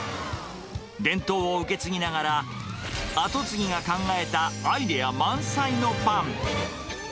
伝統を受け継ぎながら、後継ぎが考えたアイデア満載のパン。